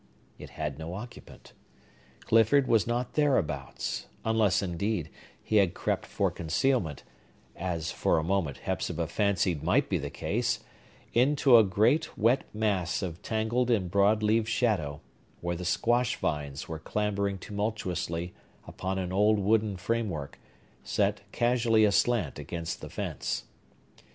It had no occupant. Clifford was not thereabouts; unless, indeed, he had crept for concealment (as, for a moment, Hepzibah fancied might be the case) into a great, wet mass of tangled and broad leaved shadow, where the squash vines were clambering tumultuously upon an old wooden framework, set casually aslant against the fence.